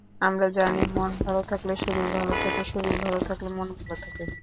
আমরা জানি, মন ভালো থাকলে শরীর ভালো থাকে, শরীর ভালো থাকলে মন ভালো থাকে।